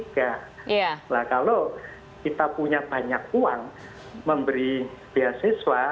nah kalau kita punya banyak uang memberi beasiswa